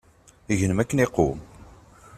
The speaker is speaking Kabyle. Gnem akken iqwem.